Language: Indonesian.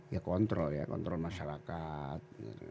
ya kontrol ya kontrol masyarakat